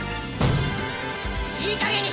「いいかげんにしな！」